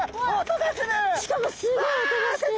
しかもすごい音がしてる！